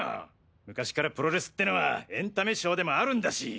昔からプロレスってのはエンタメショーでもあるんだし。